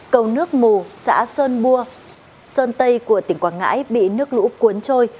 cầu nước mù xã sơn bua sơn tây của tỉnh quảng ngãi bị nước lũ cuốn trôi